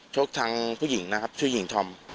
โชคทางผู้หญิงช่วยหญิงทอม